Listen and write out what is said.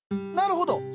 なるほど。